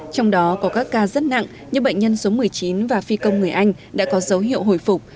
trong đó có các ca rất nặng như bệnh nhân số một mươi chín và phi công người anh đã có dấu hiệu hồi phục